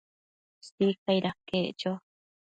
Sicaid aquec cho